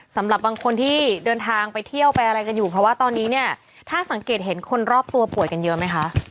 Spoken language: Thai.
สำหรับบางคนที่เดินทางไปเที่ยวไปอะไรกันอยู่เพราะว่าตอนนี้เนี่ยถ้าสังเกตเห็นคนรอบตัวป่วยกันเยอะไหมคะ